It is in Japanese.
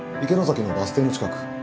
池之崎のバス停の近く。